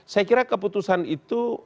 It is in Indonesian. saya kira keputusan itu